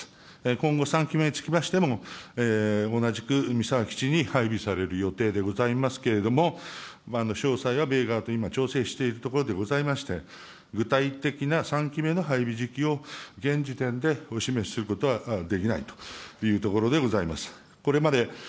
今後３機目につきましても、同じく三沢基地に配備される予定でございますけれども、詳細は米側と今、調整しているところでございまして、具体的な３機目の配備時期を現時点でお示しすることはできないというところでございます。